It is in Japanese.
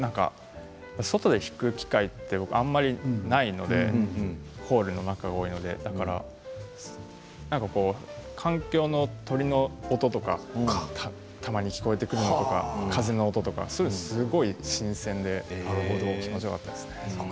外で弾く機会って僕あんまりないのでホールの中が多いので環境の、鳥の音とかたまに聞こえてきたり風の音とか、すごく新鮮で気持ちよかったですね。